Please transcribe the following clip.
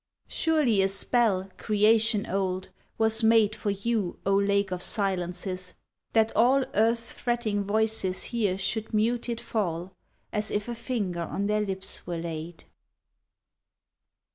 Surely a spell, creation old, was made For you, O lake of silences, that all Earth's fretting voices here should muted fall, As if a finger on their lips were laid!